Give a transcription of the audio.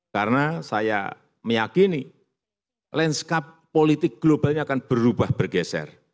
karena saya meyakini lenskap politik global ini akan berubah bergeser